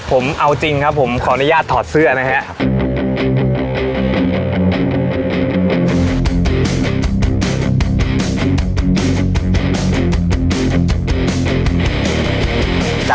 ผมเอาจริงครับผมขออนุญาตถอดเสื้อนะครับ